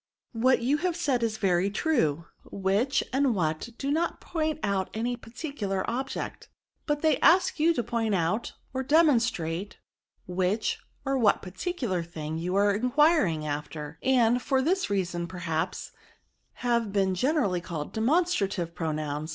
What you have said is very true, ^which^ and * what^' do not point out any particular DEMONSTRATIVE PRONOUNS. 189 object ; but they ask you to point out or de monstrate which or what particular thing you are enquirmg after; and, for this reason, perhaps, have been generally called demon strative pronouns.